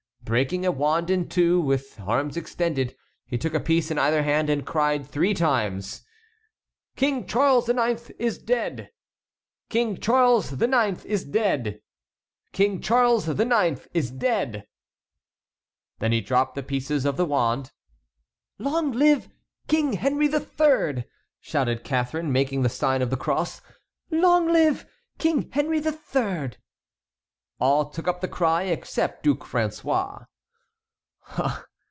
Breaking a wand in two, with arms extended, he took a piece in either hand and cried three times: "King Charles IX. is dead! King Charles IX. is dead! King Charles IX. is dead!" Then he dropped the pieces of the wand. "Long live King Henry III.!" shouted Catharine, making the sign of the cross. "Long live King Henry III.!" All took up the cry except Duc François.